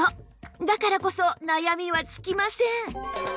だからこそ悩みは尽きません